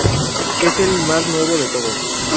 Es el más nuevo de todos.